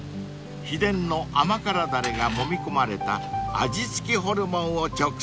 ［秘伝の甘辛だれがもみ込まれた味付きホルモンを直送］